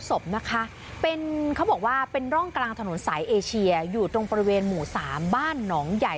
ศพนะคะเป็นเขาบอกว่าเป็นร่องกลางถนนสายเอเชียอยู่ตรงบริเวณหมู่สามบ้านหนองใหญ่